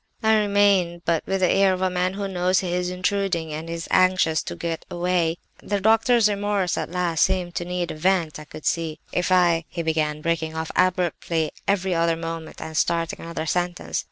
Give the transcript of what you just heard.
I remained, but with the air of a man who knows he is intruding and is anxious to get away. The doctor's remorse at last seemed to need a vent, I could see. "'If I—' he began, breaking off abruptly every other moment, and starting another sentence.